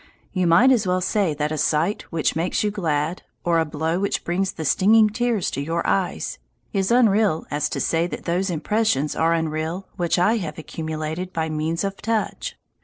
You might as well say that a sight which makes you glad, or a blow which brings the stinging tears to your eyes, is unreal as to say that those impressions are unreal which I have accumulated by means of touch.